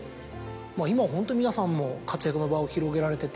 今ホント皆さんも活躍の場を広げられてて。